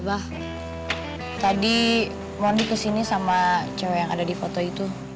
bah tadi mondi kesini sama cewek yang ada di foto itu